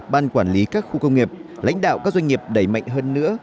ban quản lý các khu công nghiệp lãnh đạo các doanh nghiệp đẩy mạnh hơn nữa